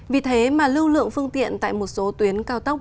vì thế mà lưu lượng phương tiện tại một số tuyến cao tốc